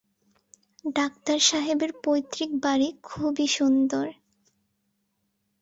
Doctor সাহেবের পৈতৃক বাড়ি খুবই সুন্দর।